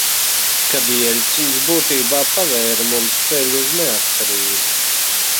Kad Jeļcins būtībā pavēra mums ceļu uz neatkarību.